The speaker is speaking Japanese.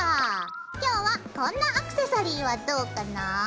今日はこんなアクセサリーはどうかな？